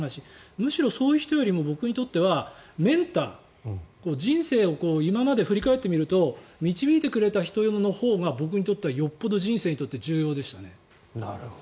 むしろそういう人よりも僕にとってはメンター人生を今まで振り返ってみると導いてくれた人のほうが僕にとってはよっぽど人生にとって重要でしたね。